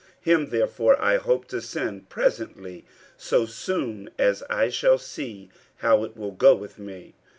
50:002:023 Him therefore I hope to send presently, so soon as I shall see how it will go with me.